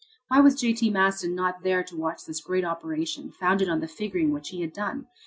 Why was J.T. Maston not there to watch this great operation, founded on the figuring which he had done?